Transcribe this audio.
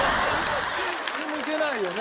普通抜けないよね。